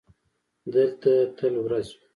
دلته تل ورځ وي.